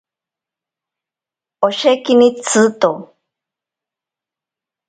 Oshekini tsiito.